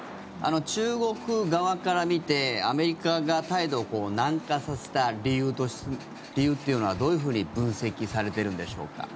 中国側から見てアメリカが態度を軟化させた理由っていうのはどういうふうに分析されてるんでしょうか？